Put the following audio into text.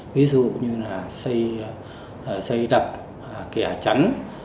ví dụ như là xây đập kẻ trắn